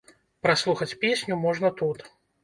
Праслухаць песню можна тут.